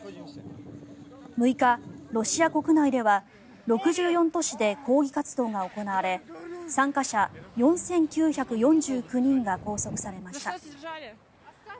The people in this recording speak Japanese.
６日、ロシア国内では６４都市で抗議活動が行われ参加者４９４９人が拘束されました。